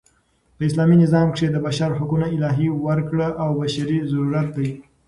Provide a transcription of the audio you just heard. په اسلامي نظام کښي د بشر حقونه الهي ورکړه او بشري ضرورت دئ.